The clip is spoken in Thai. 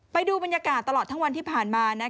ไปดูบรรยากาศตลอดทั้งวันที่ผ่านมา